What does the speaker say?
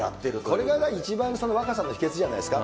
これが一番若さの秘けつじゃないですか。